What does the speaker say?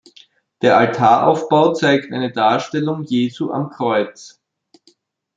Der Altaraufbau zeigt eine Darstellung "Jesu am Kreuz".